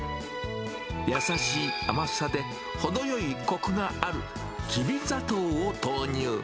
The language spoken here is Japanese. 優しい甘さで程よいこくがあるきび砂糖を投入。